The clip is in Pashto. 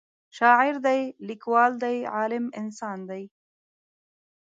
شاعر دی لیکوال دی عالم انسان دی